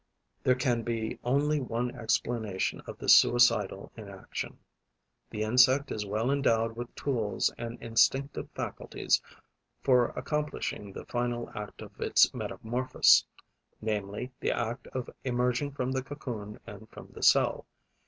There can be only one explanation of this suicidal inaction. The insect is well endowed with tools and instinctive faculties for accomplishing the final act of its metamorphosis, namely, the act of emerging from the cocoon and from the cell.